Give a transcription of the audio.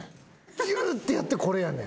ギューってやってこれやねん。